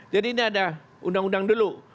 jadi ini ada undang undang dulu